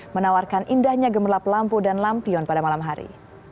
menawarkan indahnya gemerlap lampu dan lampion pada malam hari